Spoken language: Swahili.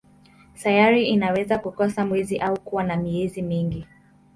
Sayari inaweza kukosa mwezi au kuwa na miezi mingi.